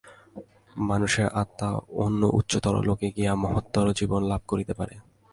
মানুষের আত্মা অন্য উচ্চতর লোকে গিয়া মহত্তর জীবন লাভ করিতে পারে।